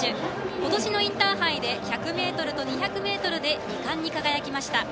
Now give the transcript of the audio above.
今年のインターハイで１００ｍと２００ｍで２冠に輝きました。